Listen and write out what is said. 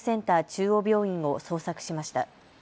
中央病院を捜索しました。